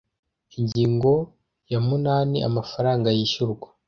ingingo ya munani amafaranga yishyurwa